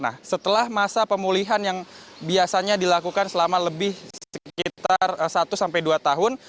nah setelah masa pemulihan yang biasanya dilakukan selama lebih sekitar satu sampai dua tahun